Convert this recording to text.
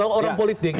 bunuh orang politik